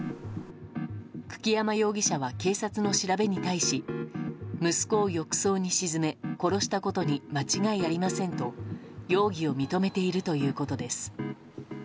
久木山容疑者は警察の調べに対し息子を浴槽に沈め殺したことに間違いありませんと容疑を認めているということです。